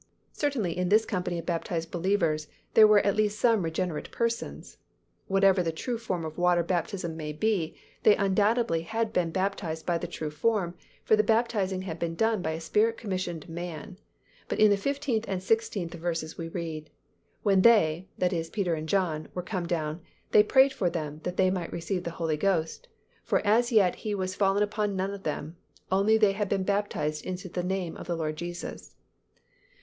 Certainly in this company of baptized believers there were at least some regenerate persons. Whatever the true form of water baptism may be, they undoubtedly had been baptized by the true form, for the baptizing had been done by a Spirit commissioned man, but in the fifteenth and sixteenth verses we read, "When they (that is Peter and John) were come down, they prayed for them, that they might receive the Holy Ghost: for as yet He was fallen upon none of them: only they had been baptized into the name of the Lord Jesus."